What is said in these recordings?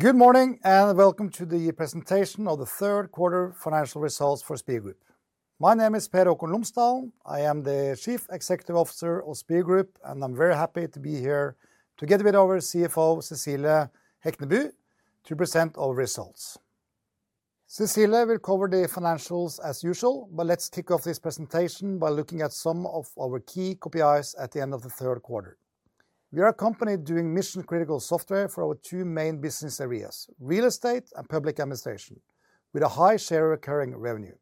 Good morning and welcome to the presentation of the third quarter financial results for Spir Group. My name is Per Haakon Lomsdalen. I am the Chief Executive Officer of Spir Group, and I'm very happy to be here together with our CFO, Cecilie Hekneby, to present our results. Cecilie will cover the financials as usual, but let's kick off this presentation by looking at some of our key KPIs at the end of the third quarter. We are a company doing mission-critical software for our two main business areas: real estate and public administration, with a high share of recurring revenue.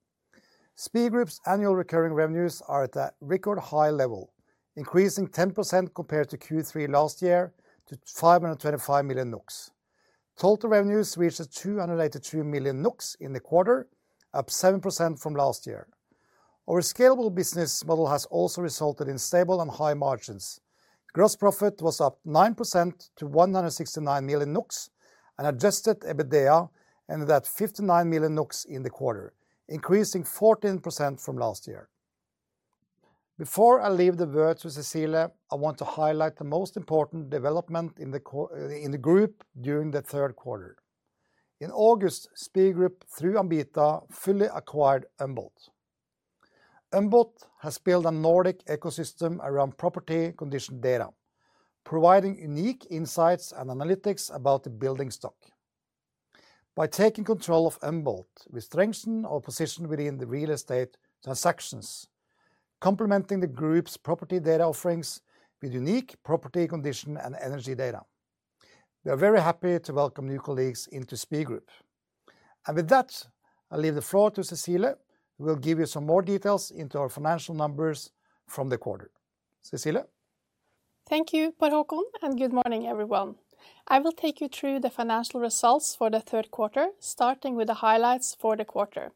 Spir Group's annual recurring revenues are at a record high level, increasing 10% compared to Q3 last year to 525 million. Total revenues reached 282 million in the quarter, up 7% from last year. Our scalable business model has also resulted in stable and high margins. Gross profit was up 9% to 169 million NOK and adjusted EBITDA ended at 59 million NOK in the quarter, increasing 14% from last year. Before I leave the word to Cecilie, I want to highlight the most important development in the group during the third quarter. In August, Spir Group, through Ambita, fully acquired Unbolt. Unbolt has built a Nordic ecosystem around property condition data, providing unique insights and analytics about the building stock. By taking control of Unbolt, we strengthen our position within the real estate transactions, complementing the group's property data offerings with unique property condition and energy data. We are very happy to welcome new colleagues into Spir Group. And with that, I'll leave the floor to Cecilie, who will give you some more details into our financial numbers from the quarter. Cecilie? Thank you, Per Haakon, and good morning, everyone. I will take you through the financial results for the third quarter, starting with the highlights for the quarter.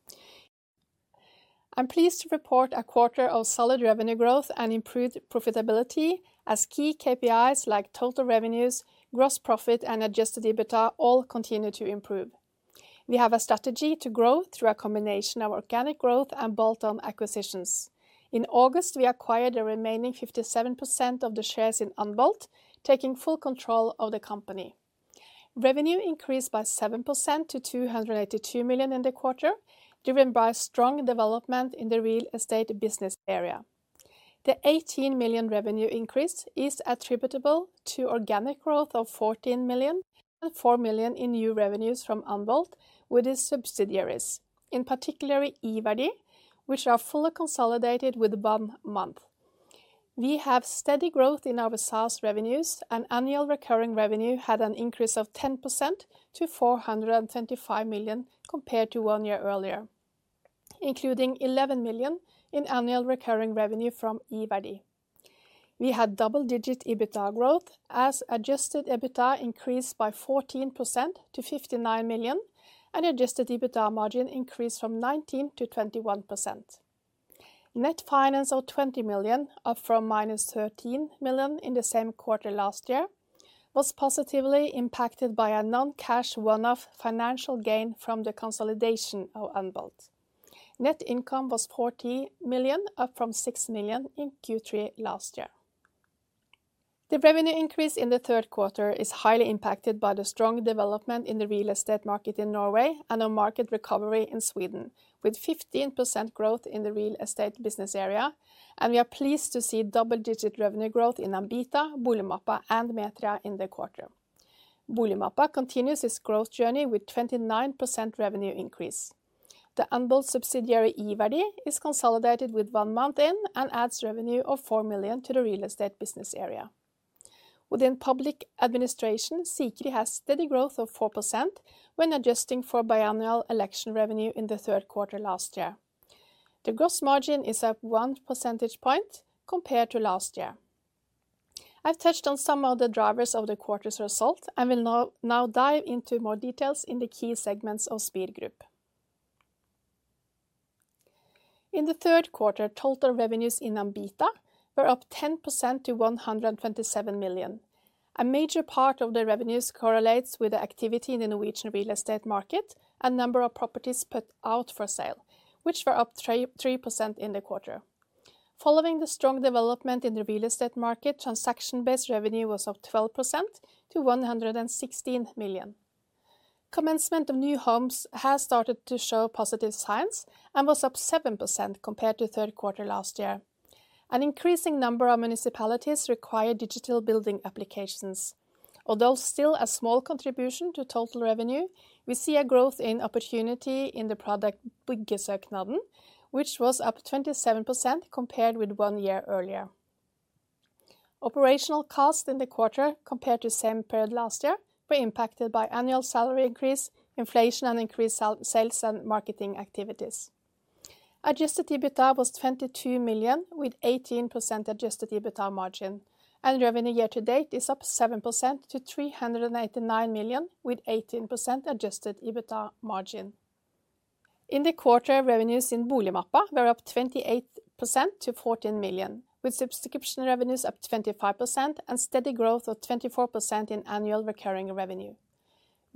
I'm pleased to report a quarter of solid revenue growth and improved profitability as key KPIs like total revenues, gross profit, and Adjusted EBITDA all continue to improve. We have a strategy to grow through a combination of organic growth and bolt-on acquisitions. In August, we acquired the remaining 57% of the shares in Unbolt, taking full control of the company. Revenue increased by 7% to 282 million NOK in the quarter, driven by strong development in the real estate business area. The 18 million NOK revenue increase is attributable to organic growth of 14 million and 4 million in new revenues from Unbolt with its subsidiaries, in particular Virdi, which are fully consolidated with one month. We have steady growth in our SaaS revenues, and annual recurring revenue had an increase of 10% to 425 million compared to one year earlier, including 11 million in annual recurring revenue from Virdi. We had double-digit EBITDA growth as Adjusted EBITDA increased by 14% to 59 million and Adjusted EBITDA margin increased from 19% to 21%. Net finance of 20 million, up from minus 13 million in the same quarter last year, was positively impacted by a non-cash one-off financial gain from the consolidation of Unbolt. Net income was 40 million, up from 6 million in Q3 last year. The revenue increase in the third quarter is highly impacted by the strong development in the real estate market in Norway and a market recovery in Sweden, with 15% growth in the real estate business area. We are pleased to see double-digit revenue growth in Ambita, Boligmappa and Metria in the quarter. Boligmappa continues its growth journey with a 29% revenue increase. The Unbolt subsidiary Virdi is consolidated with one month in and adds revenue of 4 million to the real estate business area. Within public administration, Sikri has steady growth of 4% when adjusting for biannual election revenue in the third quarter last year. The gross margin is up one percentage point compared to last year. I've touched on some of the drivers of the quarter's result and will now dive into more details in the key segments of Spir Group. In the third quarter, total revenues in Ambita were up 10% to 127 million. A major part of the revenues correlates with the activity in the Norwegian real estate market and number of properties put out for sale, which were up 3% in the quarter. Following the strong development in the real estate market, transaction-based revenue was up 12% to 116 million. Commencement of new homes has started to show positive signs and was up 7% compared to third quarter last year. An increasing number of municipalities require digital building applications. Although still a small contribution to total revenue, we see a growth in opportunity in the product Byggesøknaden, which was up 27% compared with one year earlier. Operational costs in the quarter compared to the same period last year were impacted by annual salary increase, inflation, and increased sales and marketing activities. Adjusted EBITDA was 22 million with an 18% adjusted EBITDA margin, and revenue year to date is up 7% to 389 million with an 18% adjusted EBITDA margin. In the quarter, revenues in Boligmappa were up 28% to 14 million, with subscription revenues up 25% and steady growth of 24% in annual recurring revenue.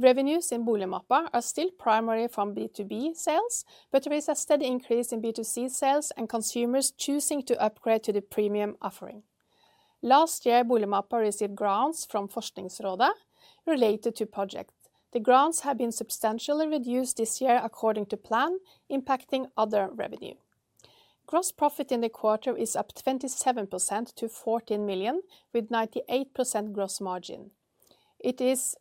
Revenues in Boligmappa are still primarily from B2B sales, but there is a steady increase in B2C sales and consumers choosing to upgrade to the premium offering. Last year, Boligmappa received grants from Forskningsrådet related to the project. The grants have been substantially reduced this year according to plan, impacting other revenue. Gross profit in the quarter is up 27% to 14 million, with a 98% gross margin. It is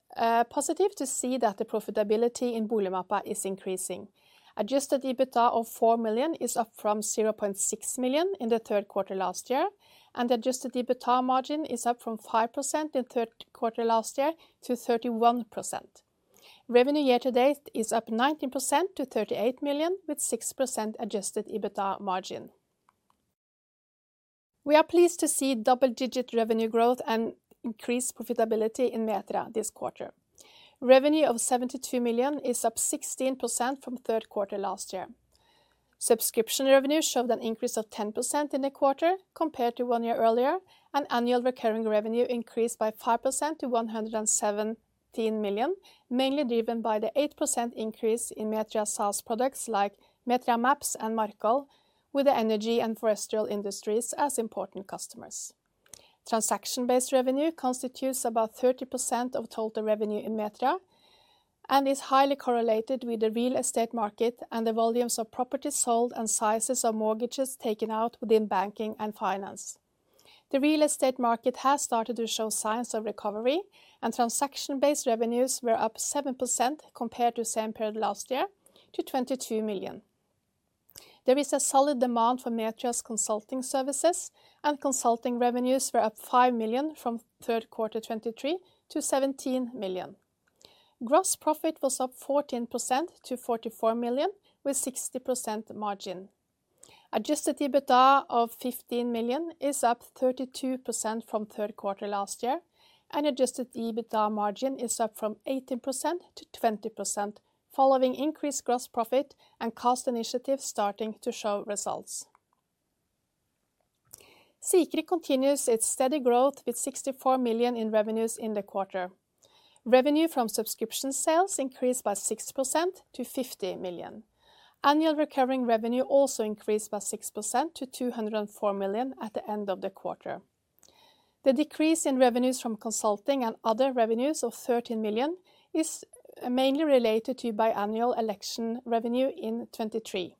positive to see that the profitability in Boligmappa is increasing. Adjusted EBITDA of 4 million is up from 0.6 million in the third quarter last year, and the adjusted EBITDA margin is up from 5% in the third quarter last year to 31%. Revenue year to date is up 19% to 38 million, with a 6% adjusted EBITDA margin. We are pleased to see double-digit revenue growth and increased profitability in Metria this quarter. Revenue of 72 million is up 16% from the third quarter last year. Subscription revenue showed an increase of 10% in the quarter compared to one year earlier, and annual recurring revenue increased by 5% to 117 million, mainly driven by the 8% increase in Metria's SaaS products like Metria Maps and Markkoll, with the energy and forestry industries as important customers. Transaction-based revenue constitutes about 30% of total revenue in Metria and is highly correlated with the real estate market and the volumes of properties sold and sizes of mortgages taken out within banking and finance. The real estate market has started to show signs of recovery, and transaction-based revenues were up 7% compared to the same period last year to 22 million. There is a solid demand for Metria's consulting services, and consulting revenues were up 5 million from third quarter 2023 to 17 million. Gross profit was up 14% to 44 million, with a 60% margin. Adjusted EBITDA of 15 million is up 32% from the third quarter last year, and adjusted EBITDA margin is up from 18% to 20% following increased gross profit and cost initiatives starting to show results. Sikri continues its steady growth with 64 million in revenues in the quarter. Revenue from subscription sales increased by 6% to 50 million. Annual recurring revenue also increased by 6% to 204 million at the end of the quarter. The decrease in revenues from consulting and other revenues of 13 million is mainly related to biannual election revenue in 2023.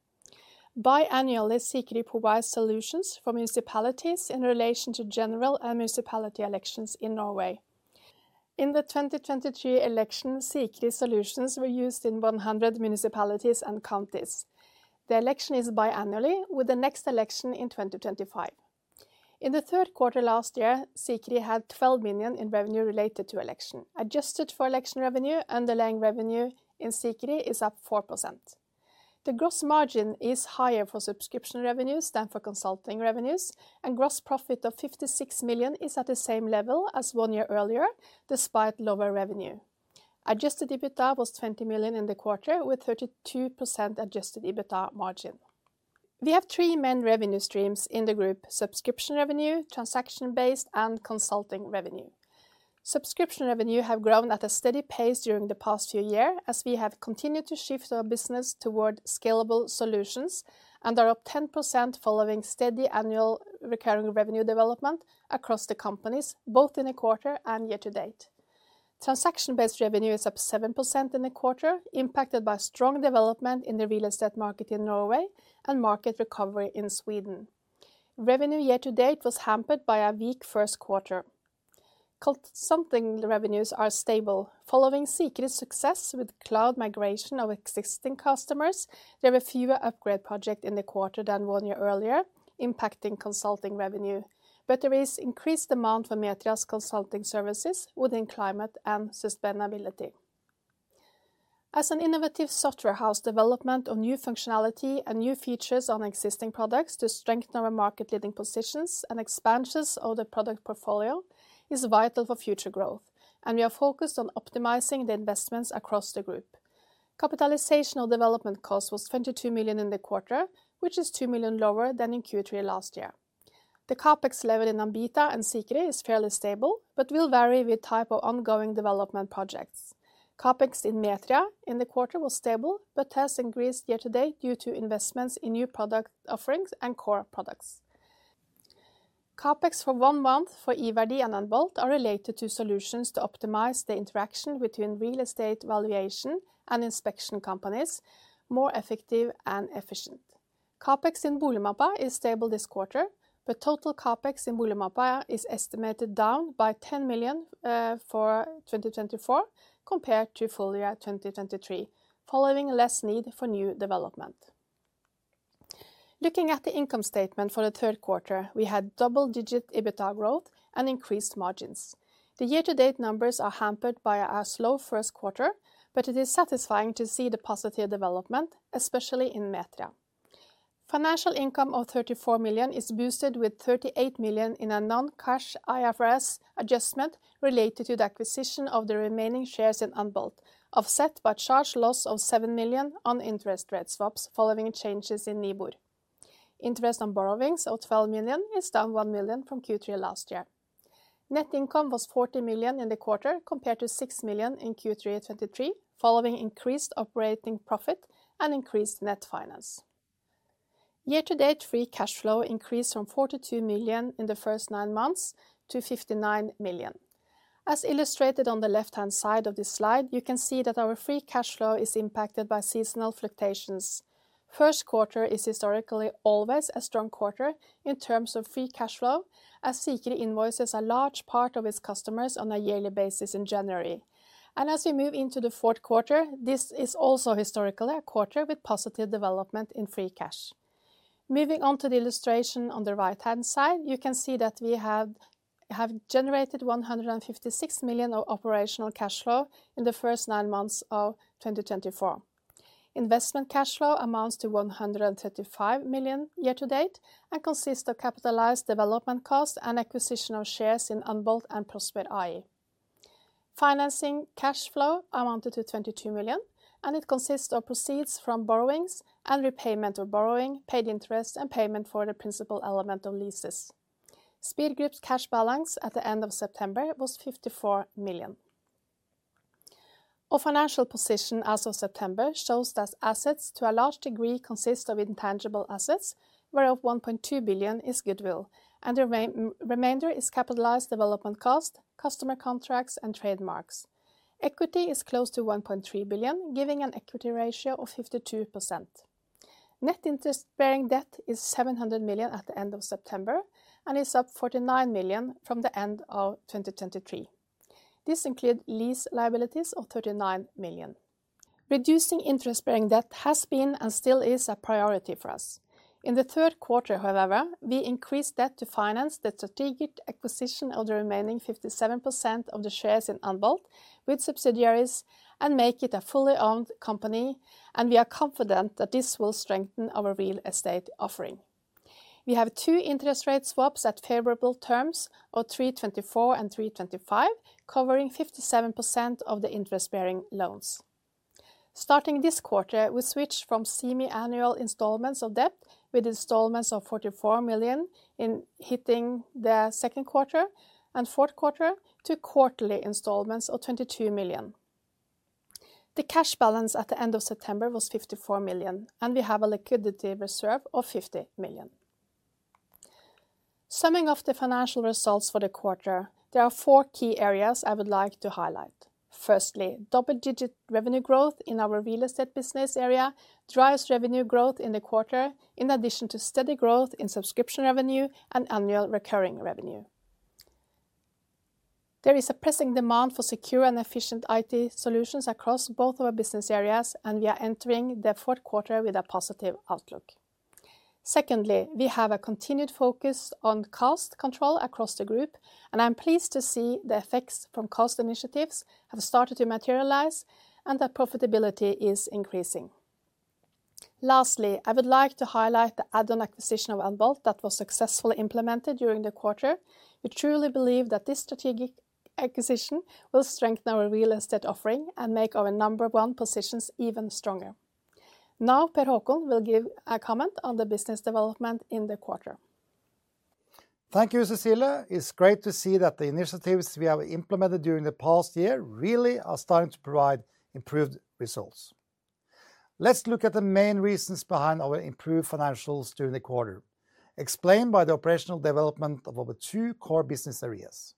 Biannually, Sikri provides solutions for municipalities in relation to general and municipality elections in Norway. In the 2023 election, Sikri solutions were used in 100 municipalities and counties. The election is biannually, with the next election in 2025. In the third quarter last year, Sikri had 12 million in revenue related to election. Adjusted for election revenue, underlying revenue in Sikri is up 4%. The gross margin is higher for subscription revenues than for consulting revenues, and gross profit of 56 million is at the same level as one year earlier, despite lower revenue. Adjusted EBITDA was 20 million in the quarter, with a 32% adjusted EBITDA margin. We have three main revenue streams in the group: subscription revenue, transaction-based, and consulting revenue. Subscription revenue has grown at a steady pace during the past few years as we have continued to shift our business toward scalable solutions and are up 10% following steady annual recurring revenue development across the companies, both in the quarter and year to date. Transaction-based revenue is up 7% in the quarter, impacted by strong development in the real estate market in Norway and market recovery in Sweden. Revenue year to date was hampered by a weak first quarter. Consulting revenues are stable. Following Sikri's success with cloud migration of existing customers, there were fewer upgrade projects in the quarter than one year earlier, impacting consulting revenue, but there is increased demand for Metria's consulting services within climate and sustainability. As an innovative software house, development of new functionality and new features on existing products to strengthen our market-leading positions and expansions of the product portfolio is vital for future growth, and we are focused on optimizing the investments across the group. Capitalization of development cost was 22 million in the quarter, which is 2 million lower than in Q3 last year. The CapEx level in Ambita and Sikri is fairly stable but will vary with the type of ongoing development projects. CapEx in Metria in the quarter was stable but has increased year to date due to investments in new product offerings and core products. CapEx for one month for Virdi and Unbolt are related to solutions to optimize the interaction between real estate valuation and inspection companies, more effective and efficient. CapEx in Boligmappa is stable this quarter, but total CapEx in Boligmappa is estimated down by 10 million for 2024 compared to earlier 2023, following less need for new development. Looking at the income statement for the third quarter, we had double-digit EBITDA growth and increased margins. The year-to-date numbers are hampered by a slow first quarter, but it is satisfying to see the positive development, especially in Metria. Financial income of 34 million is boosted with 38 million in a non-cash IFRS adjustment related to the acquisition of the remaining shares in Unbolt, offset by charged loss of 7 million on interest rate swaps following changes in NIBOR. Interest on borrowings of 12 million is down one million from Q3 last year. Net income was 40 million in the quarter compared to 6 million in Q3 2023, following increased operating profit and increased net finance. Year-to-date free cash flow increased from 42 million in the first nine months to 59 million. As illustrated on the left-hand side of this slide, you can see that our free cash flow is impacted by seasonal fluctuations. First quarter is historically always a strong quarter in terms of free cash flow, as Sikri invoices a large part of its customers on a yearly basis in January. And as we move into the fourth quarter, this is also historically a quarter with positive development in free cash. Moving on to the illustration on the right-hand side, you can see that we have generated 156 million of operational cash flow in the first nine months of 2024. Investment cash flow amounts to 135 million year to date and consists of capitalized development costs and acquisition of shares in Unbolt and Propr. Financing cash flow amounted to 22 million, and it consists of proceeds from borrowings and repayment of borrowing, paid interest, and payment for the principal element of leases. Spir Group's cash balance at the end of September was 54 million. Our financial position as of September shows that assets to a large degree consist of intangible assets, whereof 1.2 billion is goodwill, and the remainder is capitalized development costs, customer contracts, and trademarks. Equity is close to 1.3 billion, giving an equity ratio of 52%. Net interest-bearing debt is 700 million at the end of September and is up 49 million from the end of 2023. This includes lease liabilities of 39 million. Reducing interest-bearing debt has been and still is a priority for us. In the third quarter, however, we increased debt to finance the strategic acquisition of the remaining 57% of the shares in Unbolt with subsidiaries and make it a fully owned company, and we are confident that this will strengthen our real estate offering. We have two interest rate swaps at favorable terms of 3.24 and 3.25, covering 57% of the interest-bearing loans. Starting this quarter, we switched from semi-annual installments of debt with installments of 44 million in hitting the second quarter and fourth quarter to quarterly installments of 22 million. The cash balance at the end of September was 54 million, and we have a liquidity reserve of 50 million. Summing up the financial results for the quarter, there are four key areas I would like to highlight. Firstly, double-digit revenue growth in our real estate business area drives revenue growth in the quarter, in addition to steady growth in subscription revenue and annual recurring revenue. There is a pressing demand for secure and efficient IT solutions across both of our business areas, and we are entering the fourth quarter with a positive outlook. Secondly, we have a continued focus on cost control across the group, and I'm pleased to see the effects from cost initiatives have started to materialize and that profitability is increasing. Lastly, I would like to highlight the add-on acquisition of Unbolt that was successfully implemented during the quarter. We truly believe that this strategic acquisition will strengthen our real estate offering and make our number one positions even stronger. Now, Per Haakon Lomsdalen will give a comment on the business development in the quarter. Thank you, Cecilie. It's great to see that the initiatives we have implemented during the past year really are starting to provide improved results. Let's look at the main reasons behind our improved financials during the quarter, explained by the operational development of our two core business areas.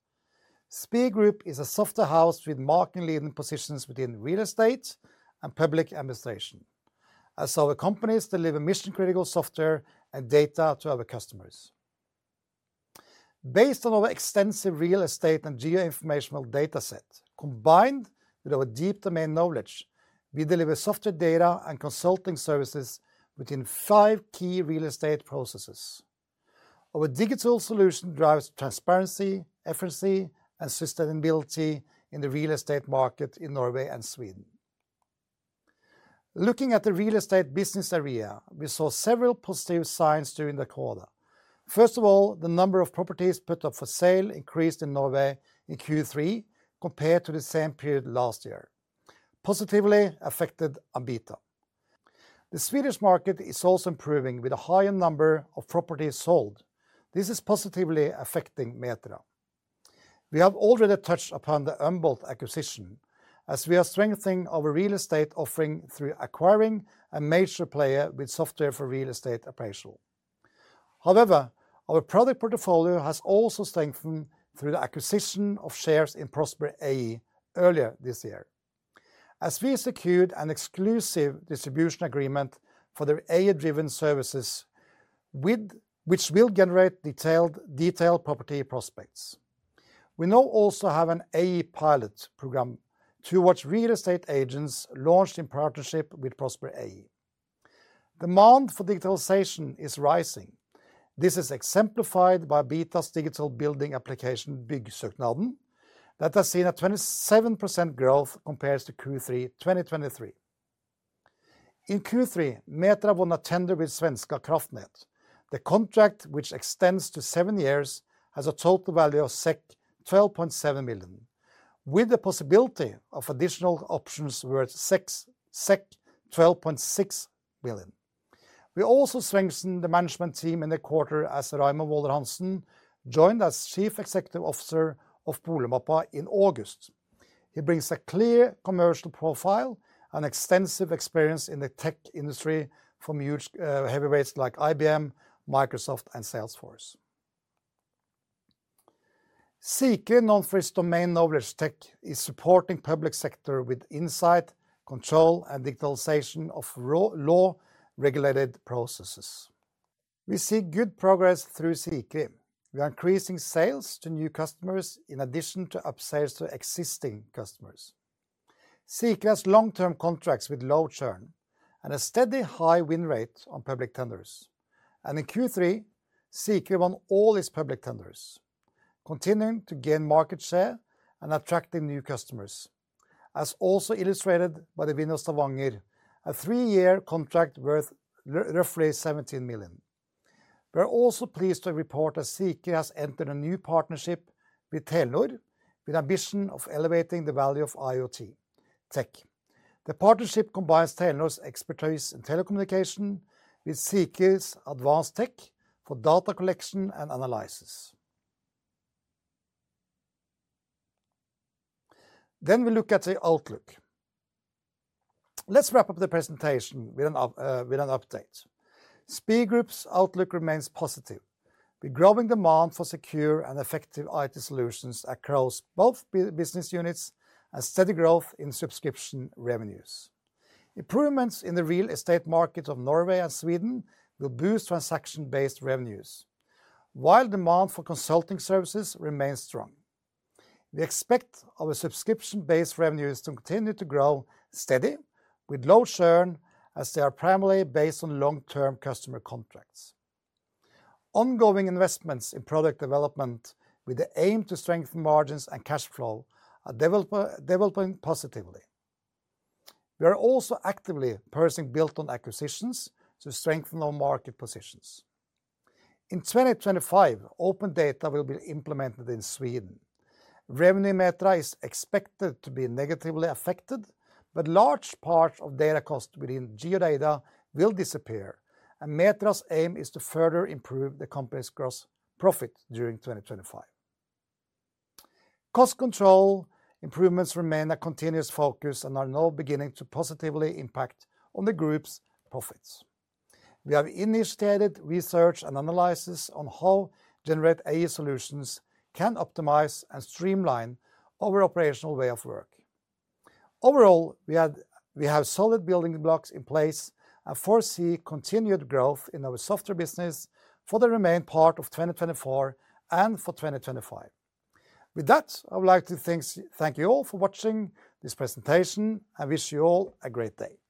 Spir Group is a software house with market-leading positions within real estate and public administration, as our companies deliver mission-critical software and data to our customers. Based on our extensive real estate and geo-informational dataset, combined with our deep domain knowledge, we deliver software data and consulting services within five key real estate processes. Our digital solution drives transparency, efficiency, and sustainability in the real estate market in Norway and Sweden. Looking at the real estate business area, we saw several positive signs during the quarter. First of all, the number of properties put up for sale increased in Norway in Q3 compared to the same period last year, positively affecting Ambita. The Swedish market is also improving with a higher number of properties sold. This is positively affecting Metria. We have already touched upon the Unbolt acquisition, as we are strengthening our real estate offering through acquiring a major player with software for real estate appraisal. However, our product portfolio has also strengthened through the acquisition of shares in Prosper AI earlier this year, as we secured an exclusive distribution agreement for their AI-driven services, which will generate detailed property prospects. We now also have an AI pilot program towards real estate agents launched in partnership with Prosper AI. Demand for digitalization is rising. This is exemplified by Ambita's digital building application, Byggesøknaden, that has seen a 27% growth compared to Q3 2023. In Q3, Metria won a tender with Svenska Kraftnät. The contract, which extends to seven years, has a total value of 12.7 million, with the possibility of additional options worth 12.6 million. We also strengthened the management team in the quarter as Raymond Vaaler-Hansen joined as Chief Executive Officer of Boligmappa in August. He brings a clear commercial profile and extensive experience in the tech industry from huge heavyweights like IBM, Microsoft, and Salesforce. Sikri know for its domain knowledge tech is supporting the public sector with insight, control, and digitalization of law-regulated processes. We see good progress through Sikri. We are increasing sales to new customers in addition to upsales to existing customers. Sikri has long-term contracts with low churn and a steady high win rate on public tenders. In Q3, Sikri won all its public tenders, continuing to gain market share and attracting new customers, as also illustrated by the win in Stavanger, a three-year contract worth roughly 17 million NOK. We are also pleased to report that Sikri has entered a new partnership with Telenor with the ambition of elevating the value of IoT tech. The partnership combines Telenor's expertise in telecommunication with Sikri's advanced tech for data collection and analysis. We look at the outlook. Let's wrap up the presentation with an update. Spir Group's outlook remains positive, with growing demand for secure and effective IT solutions across both business units and steady growth in subscription revenues. Improvements in the real estate market of Norway and Sweden will boost transaction-based revenues, while demand for consulting services remains strong. We expect our subscription-based revenues to continue to grow steadily with low churn, as they are primarily based on long-term customer contracts. Ongoing investments in product development with the aim to strengthen margins and cash flow are developing positively. We are also actively pursuing bolt-on acquisitions to strengthen our market positions. In 2025, open data will be implemented in Sweden. Metria revenue is expected to be negatively affected, but large parts of data costs within geodata will disappear, and Metria's aim is to further improve the company's gross profit during 2025. Cost control improvements remain a continuous focus and are now beginning to positively impact the group's profits. We have initiated research and analysis on how generative AI solutions can optimize and streamline our operational way of work. Overall, we have solid building blocks in place and foresee continued growth in our software business for the remaining part of 2024 and for 2025. With that, I would like to thank you all for watching this presentation and wish you all a great day.